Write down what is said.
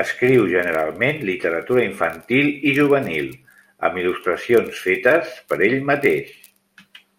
Escriu generalment literatura infantil i juvenil, amb il·lustracions fetes per ell mateix.